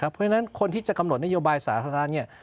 เพราะฉะนั้นคนที่จะกำหนดนโยบายสาธารณะเนี่ย